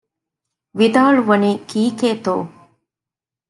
ވިދާޅުވަނީ ކީކޭތޯ؟